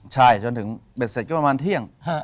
ใช่จนถึงเบ็ดเสร็จก็ประมาณเที่ยง